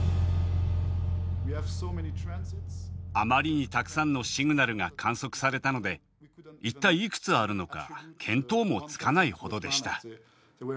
あまりにたくさんのシグナルが観測されたので一体いくつあるのか見当もつかないほどでした。